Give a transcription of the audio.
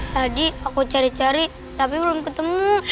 tadi aku cari cari tapi belum ketemu